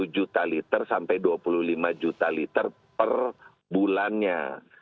satu juta liter sampai dua puluh lima juta liter per bulannya